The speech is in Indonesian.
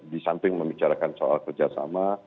di samping membicarakan soal kerja sama